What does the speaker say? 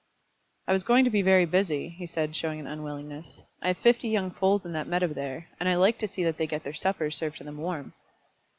"I was going to be very busy," he said, showing an unwillingness. "I have fifty young foals in that meadow there; and I like to see that they get their suppers served to them warm."